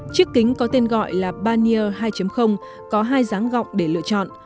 chiếc kính có tên gọi là banner hai có hai dáng gọng để lựa chọn